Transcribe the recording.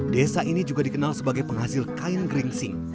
desa ini juga dikenal sebagai penghasil kain geringsing